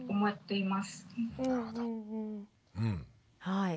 はい。